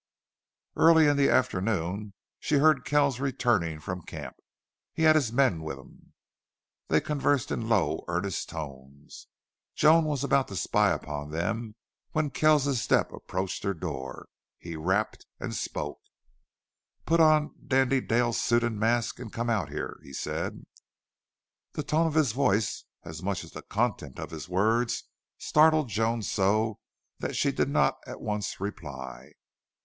Early in the afternoon she heard Kells returning from camp. He had men with him. They conversed in low, earnest tones. Joan was about to spy up on them when Kells's step approached her door. He rapped and spoke: "Put on Dandy Dale's suit and mask, and come out here," he said. The tone of his voice as much as the content of his words startled Joan so that she did not at once reply.